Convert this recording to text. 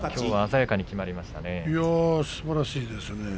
いやあすばらしいですね。